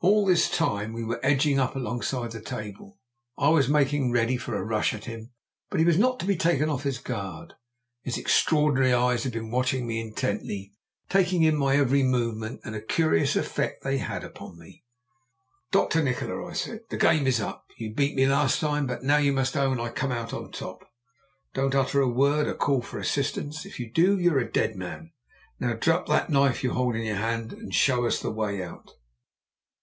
All this time we were edging up alongside the table, and I was making ready for a rush at him. But he was not to be taken off his guard. His extraordinary eyes had been watching me intently, taking in my every movement; and a curious effect they had upon me. "Dr. Nikola," I said, "the game is up. You beat me last time; but now you must own I come out on top. Don't utter a word or call for assistance if you do you're a dead man. Now drop that knife you hold in your hand, and show us the way out!"